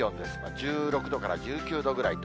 １６度から１９度ぐらいと。